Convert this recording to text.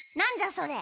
それ。